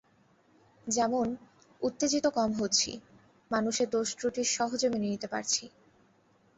যেমন, উত্তেজিত কম হচ্ছি, মানুষের দোষত্রুটি সহজে মেনে নিতে পারছি।